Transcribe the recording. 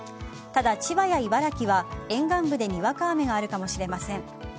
ただ、千葉や茨城は沿岸部でにわか雨があるかもしれません。